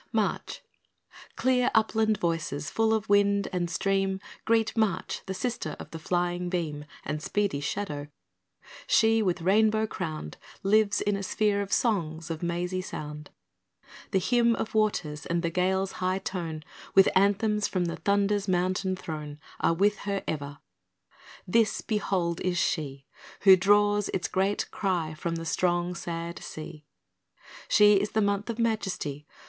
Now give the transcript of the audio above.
March Clear upland voices, full of wind and stream, Greet March, the sister of the flying beam And speedy shadow. She, with rainbow crowned, Lives in a sphere of songs of mazy sound. The hymn of waters and the gale's high tone, With anthems from the thunder's mountain throne, Are with her ever. This, behold, is she Who draws its great cry from the strong, sad sea; She is the month of majesty.